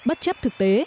bất chấp thực tế